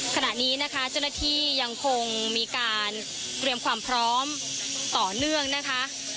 ขณะนี้นะคะเจ้าหน้าที่ยังคงมีการเตรียมความพร้อมต่อเนื่องนะคะ